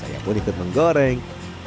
saya pun ikut menggoreng